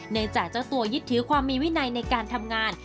จากเจ้าตัวยึดถือความมีวินัยในการทำงาน